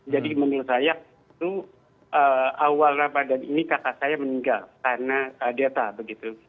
jadi menurut saya itu awal ramadan ini kakak saya meninggal karena delta begitu